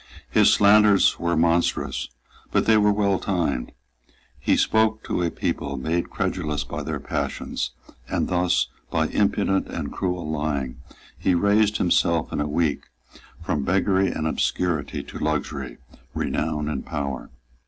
His slanders were monstrous; but they were well timed; he spoke to a people made credulous by their passions; and thus, by impudent and cruel lying, he raised himself in a week from beggary and obscurity to luxury, renown and power.